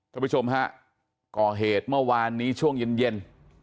คุณผู้ชมค่ะก่อเหตุเมื่อวานนี้ช่วงเย็น